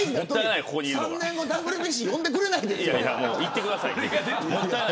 ３年後ＷＢＣ呼んでくれないですよ。